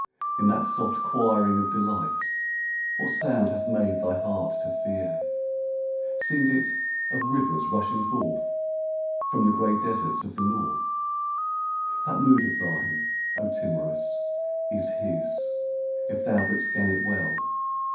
In that soft choiring of delight What sound hath made thy heart to fear ? Seemed it of rivers rushing forth From the grey deserts of the north ? That mood of thine, O timorous, Is his, if thou but scan it well.